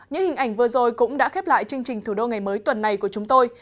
những hình ảnh vừa rồi cũng đã khép lại chương trình thủ đô ngày mới tuần này của chúng tôi